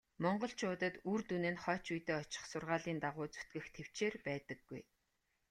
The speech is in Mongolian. Монголчуудад үр дүн нь хойч үедээ очих сургаалын дагуу зүтгэх тэвчээр байдаггүй.